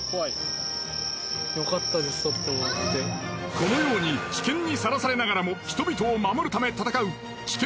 このように危険にさらされながらも人々を守るため戦う危険